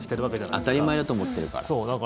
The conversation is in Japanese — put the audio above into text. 当たり前だと思ってるから。